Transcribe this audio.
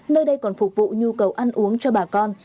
nơi đây còn phục vụ nhu cầu ăn uống cho bà con